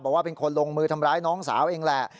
บอกว่าเป็นคนลงมือทำร้ายน้องสาวเองแหละ